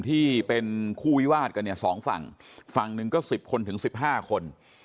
ที่เป็นคู่วิวาดกันเนี่ยสองฝั่งฝั่งหนึ่งก็๑๐คนถึงสิบห้าคน